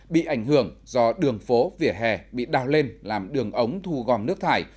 bị ảnh hưởng do đường phố vỉa hè bị đào lên làm đường ống thu gom nước thải